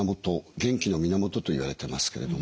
元気の源といわれてますけれども。